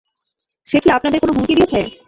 সে কি আপনাদের কোনও হুমকি দিয়েছে?